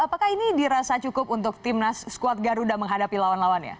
apakah ini dirasa cukup untuk tim nas skuad garuda menghadapi lawan lawannya